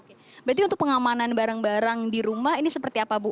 oke berarti untuk pengamanan barang barang di rumah ini seperti apa bu